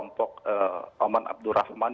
yang sebelumnya seperti kelompok auman abdur rahman